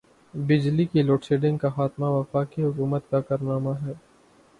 بجلی کی load shedding کا خاتمہ وفاقی حکومت کا کارنامہ ہے۔